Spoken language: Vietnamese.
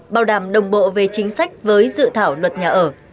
bảo đảm đồng bộ về chính sách với dự thảo luật nhà ở